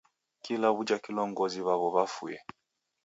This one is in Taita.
Kila w'uja kilongozi waw'o wafue.